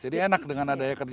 jadi enak dengan adanya kerjasama